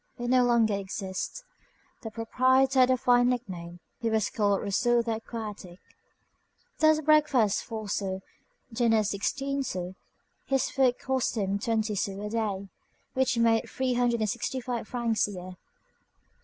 It no longer exists. The proprietor had a fine nickname: he was called Rousseau the Aquatic. Thus, breakfast four sous, dinner sixteen sous; his food cost him twenty sous a day; which made three hundred and sixty five francs a year.